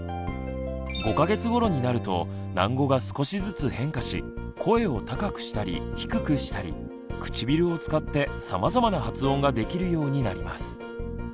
５か月頃になると喃語が少しずつ変化し声を高くしたり低くしたり唇を使ってさまざまな発音ができるようになります。